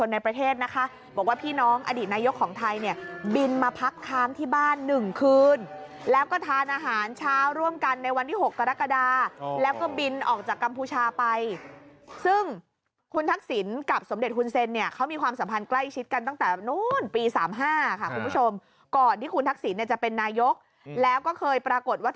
ในประเทศนะคะบอกว่าพี่น้องอดีตนายกของไทยเนี่ยบินมาพักค้างที่บ้าน๑คืนแล้วก็ทานอาหารเช้าร่วมกันในวันที่๖กรกฎาแล้วก็บินออกจากกัมพูชาไปซึ่งคุณทักษิณกับสมเด็จฮุนเซ็นเนี่ยเขามีความสัมพันธ์ใกล้ชิดกันตั้งแต่นู้นปี๓๕ค่ะคุณผู้ชมก่อนที่คุณทักษิณเนี่ยจะเป็นนายกแล้วก็เคยปรากฏว่า